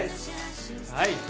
はい